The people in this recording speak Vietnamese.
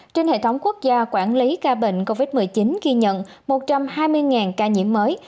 trên hệ thống quốc gia quản lý ca bệnh covid một mươi chín ghi nhận một trăm hai mươi ca nhiễm mới